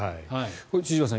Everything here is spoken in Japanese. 千々岩さん